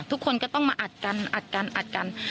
ทุกคนก็ต้องมาอัดกันอัดกันอัดกัน